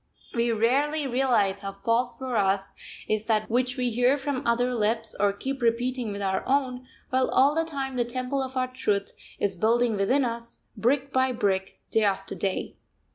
We rarely realise how false for us is that which we hear from other lips, or keep repeating with our own, while all the time the temple of our Truth is building within us, brick by brick, day after day.